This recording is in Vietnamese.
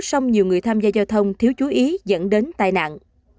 song nhiều người tham gia giao thông thiếu chú ý dẫn đến tai nạn